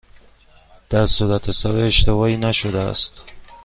در صورتحساب اشتباهی نشده است؟